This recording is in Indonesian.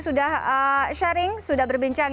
sudah sharing sudah berbincang